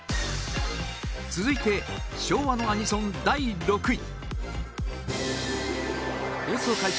続いて昭和のアニソン、第６位